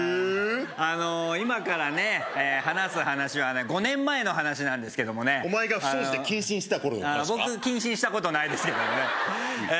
あの今から話す話は５年前の話なんですけどもねお前が不祥事で謹慎してた頃の話か僕謹慎したことないですけどもねえ